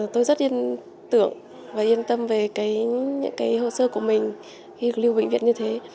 tôi rất yên tưởng và yên tâm về những hồ sơ của mình khi được lưu bệnh viện như thế